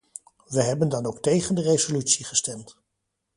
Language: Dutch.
We hebben dan ook tegen de resolutie gestemd.